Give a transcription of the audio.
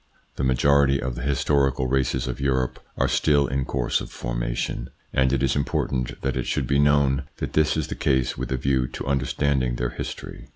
The majority of the historical races of Europe are still in course of formation, and it is important that it should be known that this is the case with a view to understanding their history.